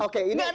oke ini ada